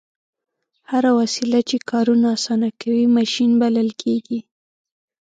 هره وسیله چې کارونه اسانه کوي ماشین بلل کیږي.